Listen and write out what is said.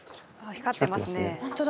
光ってますね。